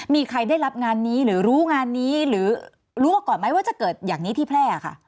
มีใครได้รับงานนี้หรือรู้งานนี้หรือรู้มาก่อนไหมว่าจะเกิดอย่างนี้ที่แพร่ค่ะ